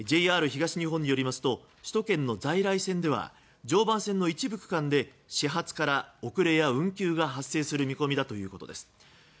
ＪＲ東日本によりますと首都圏の在来線では常磐線の一部区間で始発から遅れや運休が発生する見込みだということです。